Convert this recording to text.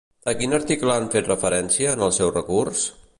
A quin article han fet referència en el seu recurs?